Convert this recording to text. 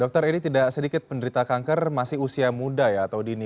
dokter ini tidak sedikit penderita kanker masih usia muda ya atau dini